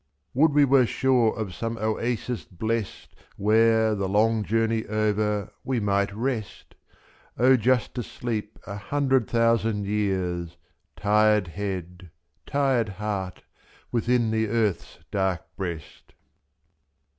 63 Would we were sure of some oasis blest. Where, the long journey over, we might rest; ^+/.0 just to sleep a hundred thousand years. Tired head, tired heart, within the earth's dark breast